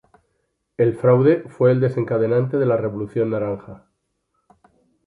El fraude fue el desencadenante de la Revolución Naranja.